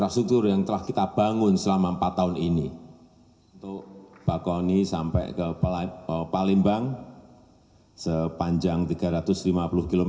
selama empat tahun ini untuk bakoni sampai ke palembang sepanjang tiga ratus lima puluh km